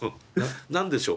何でしょう？